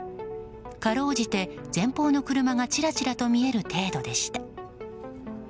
かろうじて前方の車がちらちらと見える程度でした。